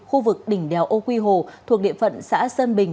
khu vực đỉnh đèo âu quy hồ thuộc địa phận xã sơn bình